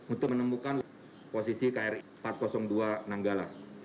untuk menemukan posisi kri empat ratus dua nanggala